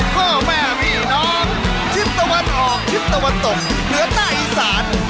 เหนือใต้อีสาน